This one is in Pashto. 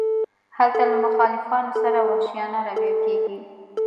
هلته له مخالفانو سره وحشیانه رویه کیږي.